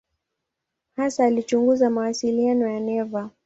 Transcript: Hasa alichunguza mawasiliano ya neva.